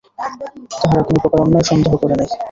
তাহারা কোনোপ্রকার অন্যায় সন্দেহ করে নাই।